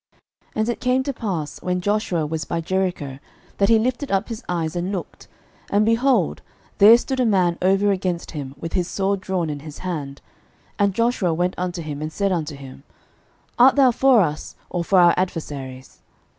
06:005:013 And it came to pass, when Joshua was by Jericho, that he lifted up his eyes and looked, and, behold, there stood a man over against him with his sword drawn in his hand: and Joshua went unto him, and said unto him, Art thou for us, or for our adversaries?